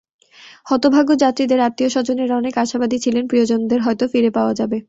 হতভাগ্য যাত্রীদের আত্মীয়স্বজনেরা অনেকে আশাবাদী ছিলেন, প্রিয়জনদের হয়তো ফিরে পাওয়া যাবে।